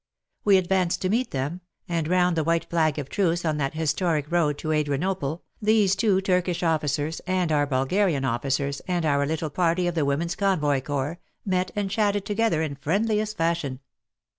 We advanced to meet them, and round the white flag of truce on that historic road to Adrianople, those two Turkish officers and our Bulgarian officers and our little party of the Women's Convoy Corps, met and chatted together in friendliest fashion.